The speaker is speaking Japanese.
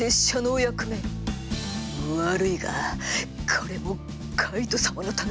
悪いがこれもカイト様のため。